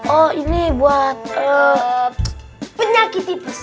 oh ini buat ee penyakit tipes